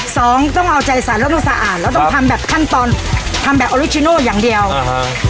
ต้องเอาใจใส่แล้วมาสะอาดแล้วต้องทำแบบขั้นตอนทำแบบออริชิโน่อย่างเดียวอ่าฮะ